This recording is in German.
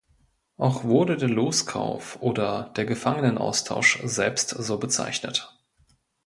Auch wurde der Loskauf oder der Gefangenenaustausch selbst so bezeichnet.